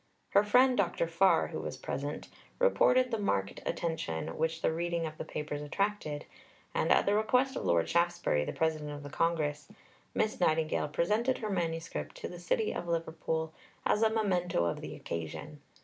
Her friend, Dr. Farr, who was present, reported the marked attention which the reading of the Papers attracted, and at the request of Lord Shaftesbury, the President of the Congress, Miss Nightingale presented her manuscript to the city of Liverpool as a memento of the occasion.